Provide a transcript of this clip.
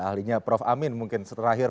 ahlinya prof amin mungkin setelah akhir